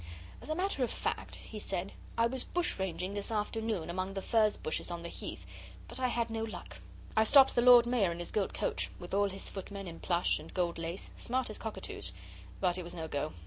'As a matter of fact,' he said, 'I was bush ranging this afternoon, among the furze bushes on the Heath, but I had no luck. I stopped the Lord Mayor in his gilt coach, with all his footmen in plush and gold lace, smart as cockatoos. But it was no go.